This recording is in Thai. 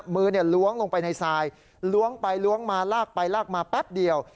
มือล้วงลงไปในทรายล้วงไปล้วงมาลากไปลากมาแป๊บเดียว